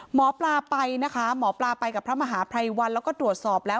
หมอปลาไปนะคะหมอปลาไปกับพระมหาภัยวันแล้วก็ตรวจสอบแล้ว